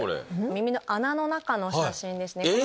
耳の穴の中の写真ですね。